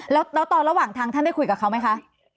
แล้วตอนระหว่างทางท่านได้คุยกับเขาไหมคะ